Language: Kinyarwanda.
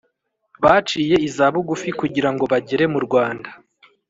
baciye izabugufi kugira ngo bagere mu Rwanda